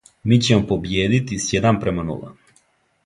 Ми ћемо побиједити с један према нула.